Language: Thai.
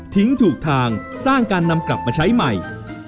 ถูกทางสร้างการนำกลับมาใช้ใหม่